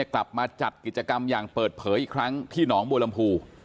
กลับมาจัดกิจกรรมอย่างเปิดเผยอีกครั้งที่หนองบัวลำพู